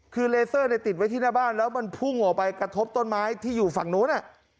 คือเลเซอร์ติดไว้ที่หน้าบ้านแล้วมันพุ่งออกไปกระทบต้นไม้ที่อยู่ฝั่งนู้น